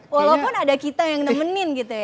walaupun ada kita yang nemenin gitu ya